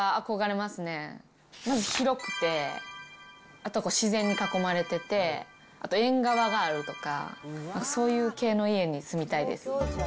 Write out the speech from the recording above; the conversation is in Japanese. まず広くて、あと、自然に囲まれてて、あと縁側があるとか、そういう系の家に住みたいです。